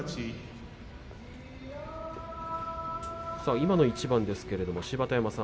今の一番ですけれど、芝田山さん